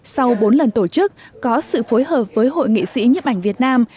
sau bốn lần tổ chức có sự phối hợp với hội nghị sĩ nhiếp ảnh việt nam